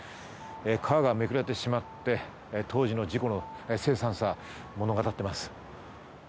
皮がめくれてしまって、当時の事故の凄惨さを物語っています。